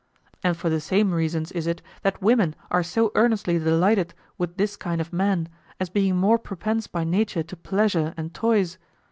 And for the same reasons is it that women are so earnestly delighted with this kind of men, as being more propense by nature to pleasure and toys.